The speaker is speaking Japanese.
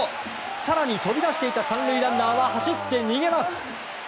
更に、飛び出していた３塁ランナーは走って逃げます。